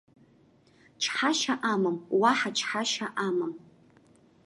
Чҳашьа амам, уаҳа чҳашьа амам!